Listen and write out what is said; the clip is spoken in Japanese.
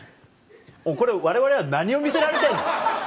これわれわれは何を見せられてるの？